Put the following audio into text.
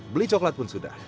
beli coklat pun sudah